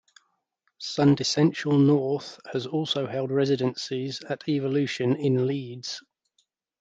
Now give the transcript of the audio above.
Sundissential North has also held residencies at Evolution in Leeds.